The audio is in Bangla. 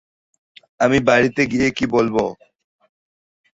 আমি বাড়িতে গিয়ে কী বলব?